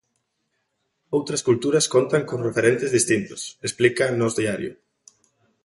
"Outras culturas contan con referentes distintos", explica a Nós Diario.